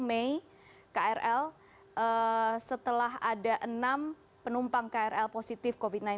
may krl setelah ada enam penumpang krl positif covid sembilan belas